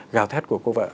gào thét của cô vợ